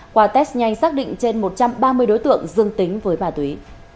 qua test nhanh xác định trên một trăm ba mươi đối tượng dương tính với ma túy